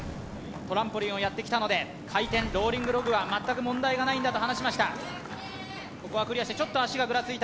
トランポリンをやってきたので回転ローリングログは全く問題がないんだと話しましたゆっくり！